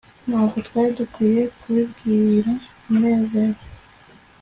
ntabwo twari dukwiye kubibwira munezero